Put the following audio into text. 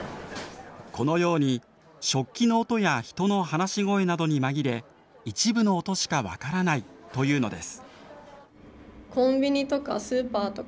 このように食器の音や人の話し声などに紛れ一部の音しか分からないというのです。